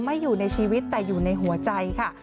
อยู่ในชีวิตแต่อยู่ในหัวใจค่ะ